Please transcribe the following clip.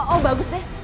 oh bagus deh